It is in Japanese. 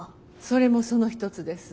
それもその一つです。